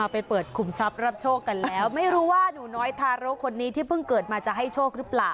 ไปเปิดขุมทรัพย์รับโชคกันแล้วไม่รู้ว่าหนูน้อยทารกคนนี้ที่เพิ่งเกิดมาจะให้โชคหรือเปล่า